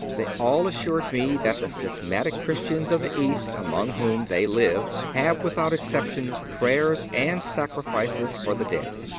They all assured me that the schismatic Christians of the East among whom they live have, without exception, prayers and sacrifices for the dead.